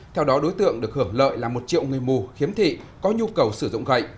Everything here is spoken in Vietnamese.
theo đó đối tượng được hưởng lợi là một triệu người mù khiếm thị có nhu cầu sử dụng gậy